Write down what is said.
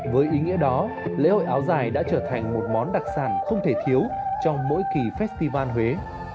với ý nghĩa đó lễ hội áo dài đã trở thành một món đặc sản không thể thiếu trong mỗi kỳ festival huế